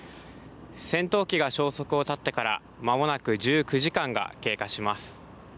戦闘機が消息を絶ってから間もなく１９時間が経過します。